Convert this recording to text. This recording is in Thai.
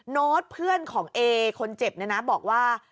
โน้ตเพื่อนของเอคนเจ็บเนี่ยนะบอกว่า